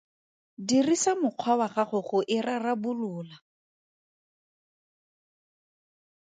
Dirisa mokgwa wa gago go e rarabolola.